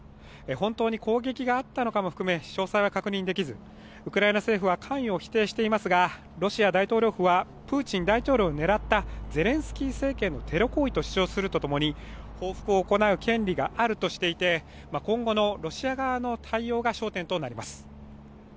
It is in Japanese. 本当に攻撃があったのかも含め詳細は確認できずウクライナ政府は関与を否定していますがロシア大統領府はプーチン大統領を狙ったゼレンスキー政権のテロ行為と主張するとともに報復を行う権利があるとしていて今後のロシア側の対応が焦点となります。